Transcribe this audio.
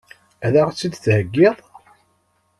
Ad ɣ-tt-id-theggiḍ?